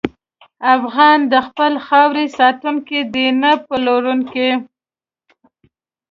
افغان د خپلې خاورې ساتونکی دی، نه پلورونکی.